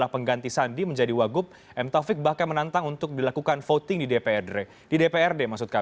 mengganti sandi menjadi wakil gubernur dki m taufik bahkan menantang untuk dilakukan voting di dprd